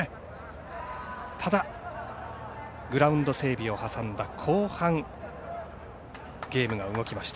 ただグラウンド整備を挟んだ後半ゲームが動きました。